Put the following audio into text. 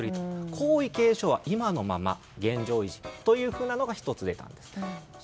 皇位継承は今のまま現状維持というふうなのが１つ出たんです。